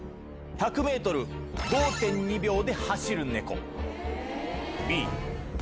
１００ｍ５．２秒で走る。